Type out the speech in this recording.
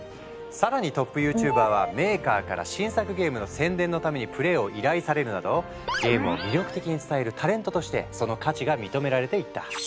更にトップＹｏｕＴｕｂｅｒはメーカーから新作ゲームの宣伝のためにプレーを依頼されるなどゲームを魅力的に伝えるタレントとしてその価値が認められていった。